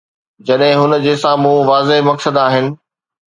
جڏهن هن جي سامهون واضح مقصد آهن.